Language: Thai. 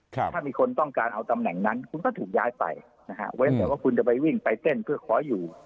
ถ้ามีคนต้องการเอาตำแหน่งนั้นคุณก็ถูกย้ายไปนะฮะเว้นแต่ว่าคุณจะไปวิ่งไปเต้นเพื่อขออยู่